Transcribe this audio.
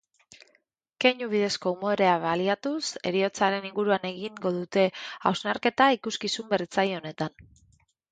Keinu bidezko umorea baliatuz heriotzaren inguruan egingo dute hausnarketa ikuskizun berritzaile honetan.